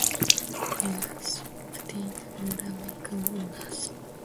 There, she obtained All American honors.